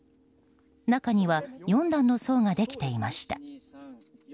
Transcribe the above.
中には４段の層ができていました。